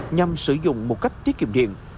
nhằm sử dụng một cách tiết kiệm điện